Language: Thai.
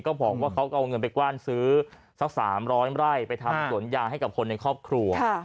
บอกว่าเขาก็เอาเงินไปกว้านซื้อสัก๓๐๐ไร่ไปทำสวนยางให้กับคนในครอบครัว